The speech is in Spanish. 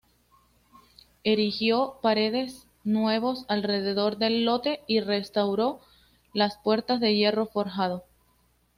Erigió paredes nuevos alrededor del lote y restauró las puertas de hierro forjado.